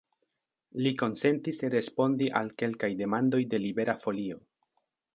Li konsentis respondi al kelkaj demandoj de Libera Folio.